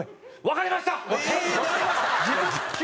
「わかりました」。